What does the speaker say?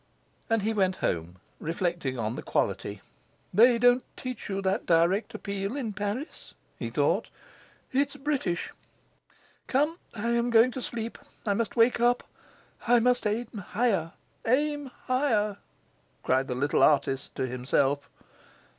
And he went home reflecting on the quality. 'They don't teach you that direct appeal in Paris,' he thought. 'It's British. Come, I am going to sleep, I must wake up, I must aim higher aim higher,' cried the little artist to himself.